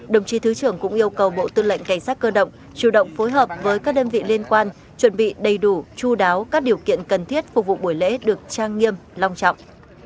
đồng chí thứ trưởng cũng yêu cầu bộ tư lệnh cảnh sát cơ động chủ động phối hợp với các đơn vị liên quan chuẩn bị đầy đủ chú đáo các điều kiện cần thiết phục vụ buổi lễ được trang nghiêm long trọng